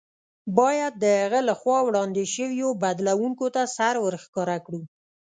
باید د هغه له خوا وړاندې شویو بدلوونکو ته سر ورښکاره کړو.